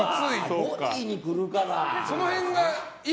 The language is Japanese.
ボディーに来るから。